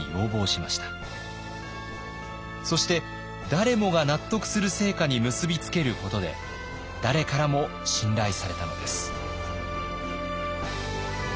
そして誰もが納得する成果に結び付けることで誰からも信頼されたのです。